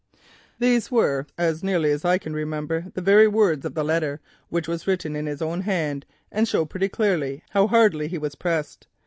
"These were, as nearly as I can remember, the very words of the letter, which was written with the King's own hand, and show pretty clearly how hardly he was pressed.